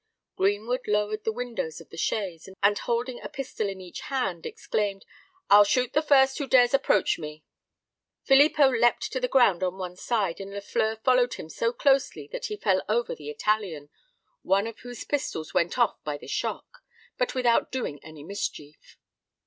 Greenwood lowered the windows of the chaise, and holding a pistol in each hand, exclaimed, "I'll shoot the first who dares approach me!" Filippo leapt to the ground on one side, and Lafleur followed him so closely, that he fell over the Italian, one of whose pistols went off by the shock, but without doing any mischief.